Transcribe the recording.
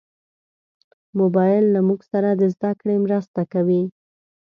موبایل له موږ سره د زدهکړې مرسته کوي.